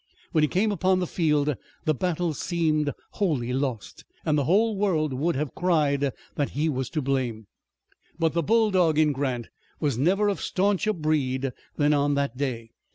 When he came upon the field, the battle seemed wholly lost, and the whole world would have cried that he was to blame. But the bulldog in Grant was never of stauncher breed than on that day.